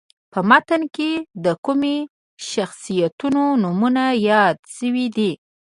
په متن کې د کومو شخصیتونو نومونه یاد شوي دي.